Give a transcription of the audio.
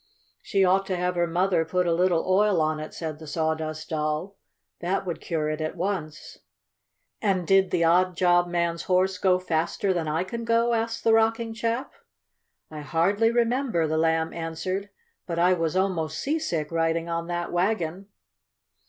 "She ought to have her mother put a little oil on it," said the Sawdust Doll. "That would cure it at once." "And did the odd job man's horse go faster than I can go?" asked the Rocking chap. "I hardly remember," the Lamb answered. "But I was almost seasick riding on that wagon."